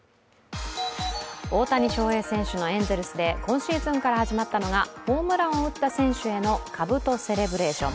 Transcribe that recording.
大谷翔平選手のエンゼルスで今シーズンから始まったのがホームランを打った選手へのかぶとセレブレーション。